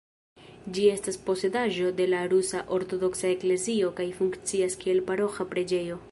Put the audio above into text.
Ĝi estas posedaĵo de la Rusa Ortodoksa Eklezio kaj funkcias kiel paroĥa preĝejo.